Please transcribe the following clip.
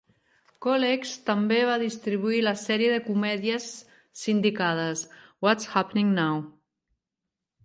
Colex també va distribuir la sèrie de comèdies sindicades "What's Happening Now!!"